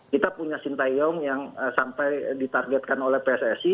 kita punya sintayong yang sampai ditargetkan oleh pssi